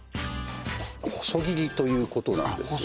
細切りということなんですよ